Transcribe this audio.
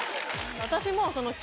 私も。